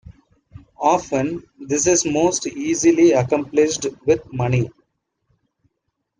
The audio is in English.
Often, this is most easily accomplished with money.